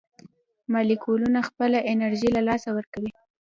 مالیکولونه خپله انرژي له لاسه ورکوي.